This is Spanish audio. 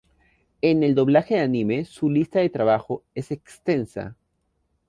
En el doblaje de anime, su lista de trabajo es extensa.